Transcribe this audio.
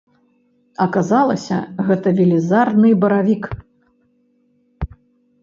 Аказалася, гэта велізарны баравік.